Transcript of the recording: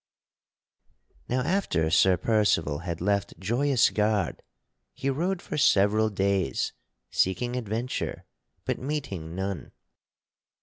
_ Now after Sir Percival had left Joyous Gard he rode for several days seeking adventure but meeting none.